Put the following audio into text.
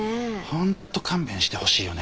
ホント勘弁してほしいよね